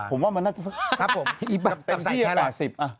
ผมว่ามันน่าจะเป็นที่กว่าสิบ